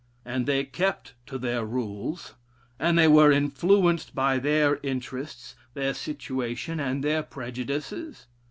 And they kept to their rules, and they were influenced by their interests, their situation, and their prejudices.